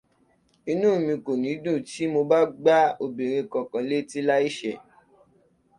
Inú mi kò ní dùn tí mo bá gbá obìnrin kankan létí láìṣẹ̀